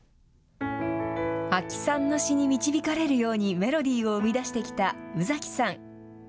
阿木さんの詞に導かれるようにメロディーを生み出してきた宇崎さん。